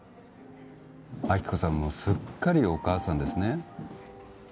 亜希子さんもすっかりお母さんですね